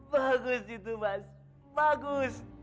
bagus itu mas bagus